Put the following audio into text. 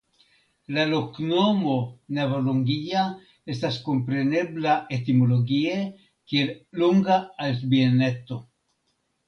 La loknomo "Navalonguilla" estas komprenebla etimologie kiel "Longa Altbieneto".